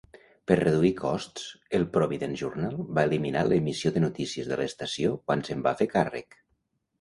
Per reduir costs, el Providence Journal va eliminar l'emissió de notícies de l'estació quan s'en va fer càrrec.